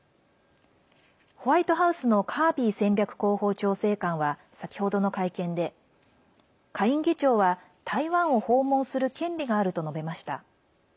ホワイトハウスのカービー戦略広報調整官は先ほどの会見で下院議長は台湾を訪問する権利があると述べました。